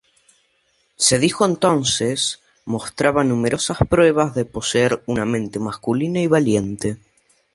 Se dijo que entonces mostraba numerosas pruebas de poseer una "mente masculina y valiente".